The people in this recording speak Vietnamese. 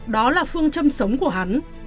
đó là phương châm sống của hắn